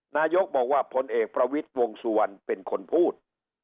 นายกบอกว่าพลเอกประวิทย์วงสุวรรณเป็นคนพูด